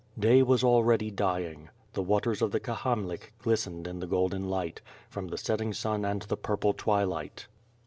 Day was already dying. The waters of the Kahamlik lis tened in the golden light — from the setting sun and the purple twilight.